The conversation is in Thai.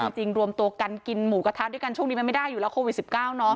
จริงรวมตัวกันกินหมูกระทะด้วยกันช่วงนี้มันไม่ได้อยู่แล้วโควิด๑๙เนาะ